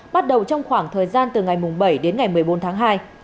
bắt đầu trong khoảng thời gian từ ngày bảy đến ngày một mươi bốn tháng hai